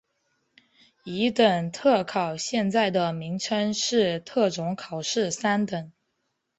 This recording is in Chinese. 乙等特考现在的名称是特种考试三等。